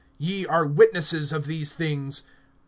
(48)Ye are witnesses of these things.